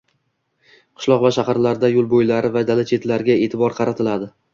qishloq va shaharlarda yo‘l bo‘ylari va dala chetlariga e'tibor qaratiladi.